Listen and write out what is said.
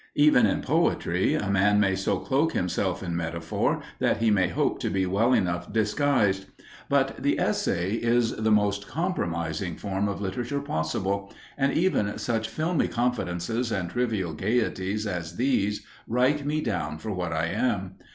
Even in poetry a man may so cloak himself in metaphor that he may hope to be well enough disguised. But the essay is the most compromising form of literature possible, and even such filmy confidences and trivial gaieties as these write me down for what I am.